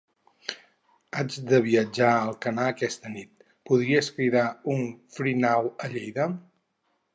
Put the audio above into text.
Haig de viatjar a Alcanar aquesta nit; podries cridar un Free Now a Lleida?